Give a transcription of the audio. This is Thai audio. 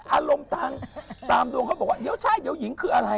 อารมณ์ตามดวงเขาบอกว่าเดี๋ยวใช่เดี๋ยวหญิงคืออะไร